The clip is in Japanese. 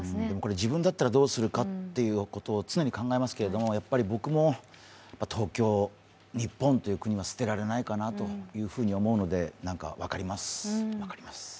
でも、これ自分だったらどうするかというのを常に考えますけれども、僕も東京、日本という国は捨てられないかなと思うのでなんか、分かります、分かります。